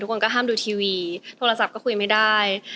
คนก็ห้ามดูทีวีโทรศัพท์ก็คุยไม่ได้